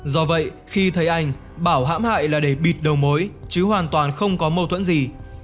do vậy khi thấy anh bảo hãm hại là để bịt đầu mối chứ hoàn toàn không có mâu thuẫn gì